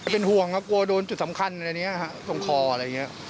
เป็นห่วงครับกลัวโดนจุดสำคัญอะไรอย่างนี้ตรงคออะไรอย่างนี้